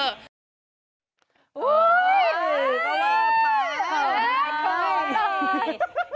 อุ้ยต้องเลิกไปแล้วค่ะ